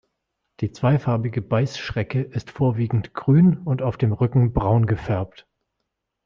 Die Zweifarbige Beißschrecke ist vorwiegend grün und auf dem Rücken braun gefärbt.